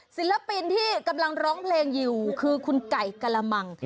ศิลปินที่กำลังร้องเพลงอยู่คือคุณไก่กะละมัง